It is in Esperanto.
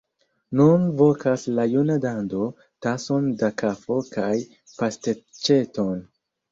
Nun vokas la juna dando: tason da kafo kaj pasteĉeton!